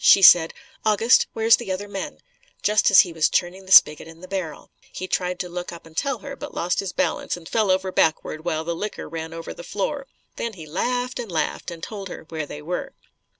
She said, "August, where's the other men?" just as he was turning the spigot in the barrel. He tried to look up and tell her, but lost his balance and fell over backward while the liquor ran over the floor. Then he laughed and laughed and told her where they were.